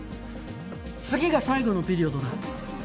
次が最後のピリオドだ。